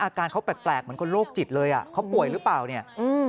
แม่อาการเค้าแปลกเหมือนคนโรคจิตเลยเค้าป่วยหรือเปล่าเนี่ย